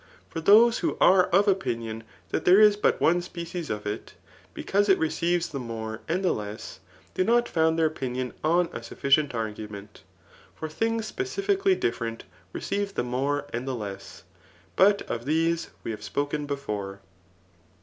For those who are of opmion that there is but one species of it, because it receives the mote and the less, do not found their q» nion on a sufficient argument. For things specifically d^went receive the more and the less : but erf these we have spoken b^re.